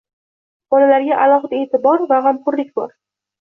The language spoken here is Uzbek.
Bolalarga alohida eʼtibor va gʻamxoʻrlik bor.